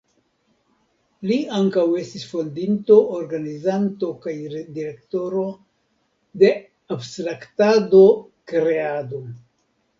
Li ankaŭ estis fondinto, organizanto kaj direktoro de Abstraktado-Kreado.